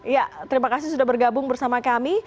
ya terima kasih sudah bergabung bersama kami